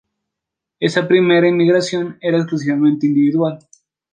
Esa primera inmigración era exclusivamente individual.